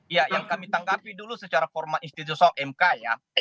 ya yang kami tanggapi dulu secara format institusi umkm